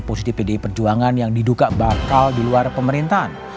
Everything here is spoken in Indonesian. posisi pdi perjuangan yang diduga bakal di luar pemerintahan